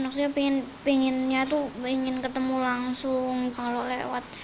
maksudnya pengennya tuh pengen ketemu langsung kalau lewat